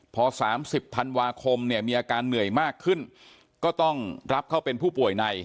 พอ๓๐ธันวาคมเนี่ยมีอาการเหนื่อยมากขึ้นก็ต้องรับเข้าเป็นผู้ป่วยใน